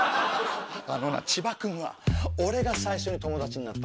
あのな千葉君は俺が最初に友達になったんだ。